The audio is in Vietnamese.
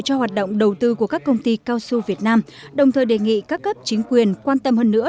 cho hoạt động đầu tư của các công ty cao su việt nam đồng thời đề nghị các cấp chính quyền quan tâm hơn nữa